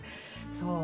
そう。